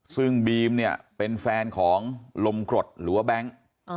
ซึ่งบีมเนี่ยเป็นแฟนของลมกรดหรือว่าแบงค์